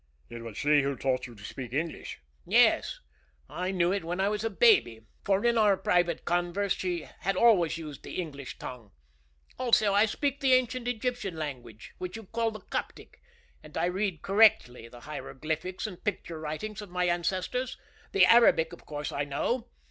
"It was she who taught you to speak English?" "Yes. I knew it when I was a baby, for in our private converse she has always used the English tongue. Also I speak the ancient Egyptian language, which you call the Coptic, and I read correctly the hieroglyphics and picture writings of my ancestors. The Arabic, of course, I know.